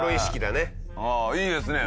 いいですね